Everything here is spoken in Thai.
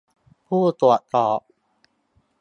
ผู้ตรวจสอบ